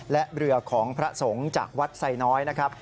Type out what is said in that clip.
และเรือของพระสงฆ์จากวัดไซน้อยนะครับ